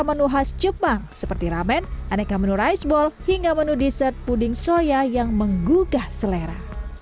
menu khas jepang seperti ramen aneka menu rice ball hingga menu dessert puding soya yang menggugah selera